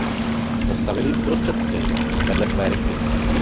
Postavil ji uprostřed vsi vedle své rychty.